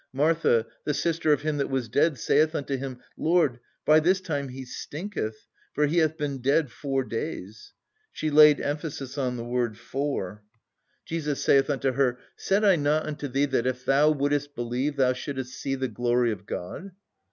Martha, the sister of him that was dead, saith unto Him, Lord by this time he stinketh: for he hath been dead four days." She laid emphasis on the word four. "Jesus saith unto her, Said I not unto thee that if thou wouldest believe, thou shouldest see the glory of God?